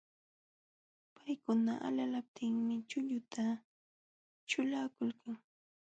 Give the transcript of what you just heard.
Paykuna alalaptinmi chulluta ćhulakulka.